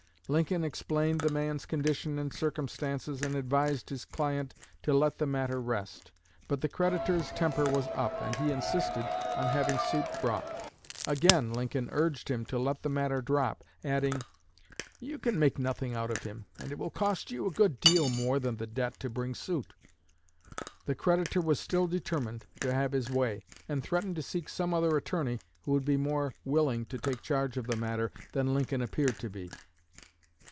Lincoln explained the man's condition and circumstances, and advised his client to let the matter rest; but the creditor's temper was up, and he insisted on having suit brought. Again Lincoln urged him to let the matter drop, adding, 'You can make nothing out of him, and it will cost you a good deal more than the debt to bring suit.' The creditor was still determined to have his way, and threatened to seek some other attorney who would be more willing to take charge of the matter than Lincoln appeared to be.